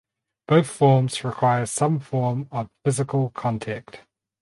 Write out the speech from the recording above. Both forms require some form of physical contact.